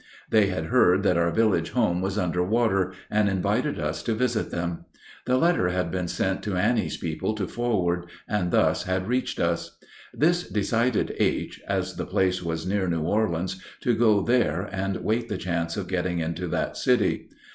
They had heard that our village home was under water, and invited us to visit them. The letter had been sent to Annie's people to forward, and thus had reached us. This decided H., as the place was near New Orleans, to go there and wait the chance of getting into that city.